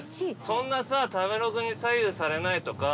そんなさ食べログに左右されないとか。